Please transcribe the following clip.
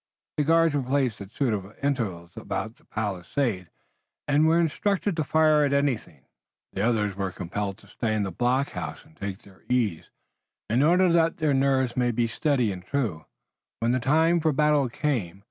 The guards were placed at suitable intervals about the palisade, and were instructed to fire at anything suspicious, the others were compelled to stay in the blockhouse and take their ease, in order that their nerves might be steady and true, when the time for battle came.